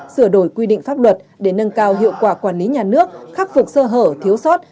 sửa đổi quy định pháp luật để nâng cao hiệu quả quản lý nhà nước khắc phục sơ hở thiếu sót